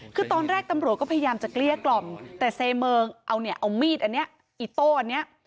คือตอนแรกตำรวจก็พยายามจะเกลี้ยกล่อมแต่เซเมิงเอาเนี่ยเอามีดอันนี้อิโต้อันนี้